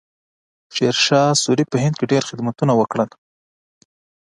شیرشاه سوري په هند کې ډېر خدمتونه وکړل.